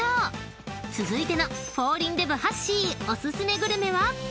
［続いてのフォーリンデブはっしーお薦めグルメは？］